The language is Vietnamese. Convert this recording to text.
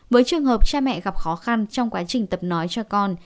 với trường hợp cha mẹ gặp khó khăn trong quá trình tập nói cho con